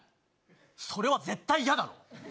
それは絶対やだろう。